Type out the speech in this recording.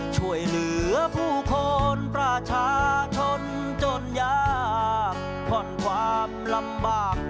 ช่วยเหลือผู้คนประชาชนจนยากผ่อนความลำบาก